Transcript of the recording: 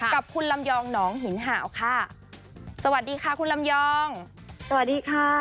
กับคุณลำยองหนองหินห่าวค่ะสวัสดีค่ะคุณลำยองสวัสดีค่ะ